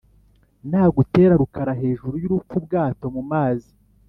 Nagutera Rukara hejuru y'urupfu-Ubwato mu mazi.